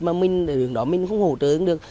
mà mình ở huyện đó mình không hỗ trợ được